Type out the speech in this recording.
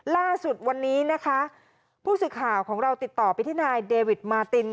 ล่าสุดวันนี้นะคะผู้สื่อข่าวของเราติดต่อไปที่นายเดวิดมาติน